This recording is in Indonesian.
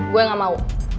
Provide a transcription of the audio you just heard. gue engga mau